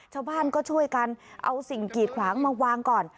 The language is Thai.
ชาวบ้านก็ช่วยกันเอาสิ่งกีดขวางมาวางก่อน